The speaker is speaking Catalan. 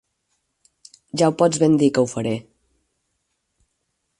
Ja ho pots ben dir que ho faré!